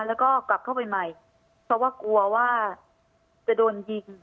แล้วก็กลับเข้าไปใหม่เพราะว่ากลัวว่าจะโดนยิง